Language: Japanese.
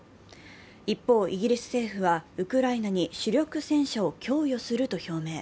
一方、イギリス政府はウクライナに主力戦車を供与すると表明。